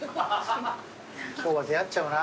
今日は出会っちゃうな。